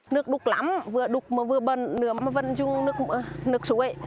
nước đục lắm vừa đục mà vừa bần vần chung nước suối